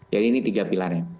jadi ini tiga pilarnya